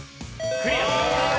クリア。